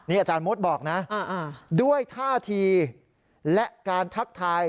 อาจารย์มดบอกนะด้วยท่าทีและการทักทาย